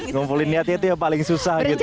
ngumpulin niatnya itu yang paling susah gitu